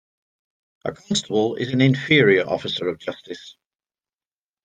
A constable an inferior officer of justice.